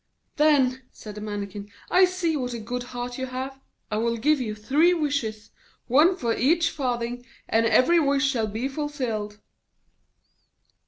'Then,' said the Mannikin, 'I see what a good heart you have. I will give you three wishes, one for each farthing; and every wish shall be fulfilled.'